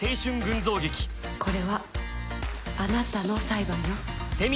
「これはあなたの裁判よ」